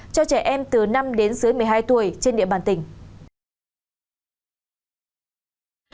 cho trẻ em từ năm đến dưới một mươi hai tuổi trên địa bàn tỉnh